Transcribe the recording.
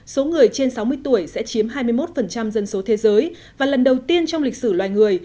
số người trên sáu mươi tuổi sẽ chiếm hai mươi một dân số thế giới và lần đầu tiên trong lịch sử loài người